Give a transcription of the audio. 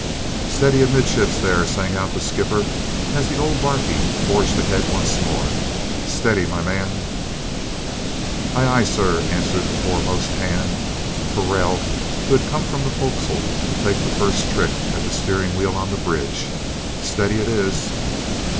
"Steady amidship, there," sang out the skipper as the old barquey forged ahead once more. "Steady, my man." "Aye, aye, sir," answered the foremost hand, Parrell, who had come from the fo'c's'le to take the first "trick" at the steering wheel on the bridge. "Steady it is."